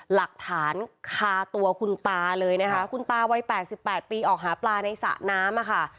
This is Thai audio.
หลักฐานคาตัวคุณตาเลยนะคะคุณตาวัย๘๘ปีออกหาปลาในสระน้ำอะค่ะ